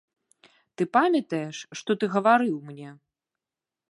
Ты памятаеш, што ты гаварыў мне?